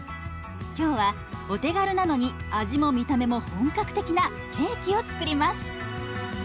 今日はお手軽なのに味も見た目も本格的なケーキを作ります。